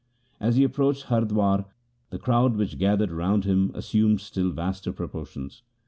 As he approached Hardwar the crowd which gathered round him assumed still vaster pro portions.